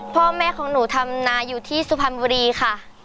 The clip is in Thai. พ่อแม่ของหนูทำนาอยู่ที่สุพรรณบุรีค่ะ